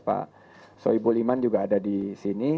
pak soebuliman juga ada di sini